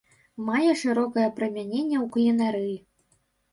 Мае шырокае прымяненне ў кулінарыі.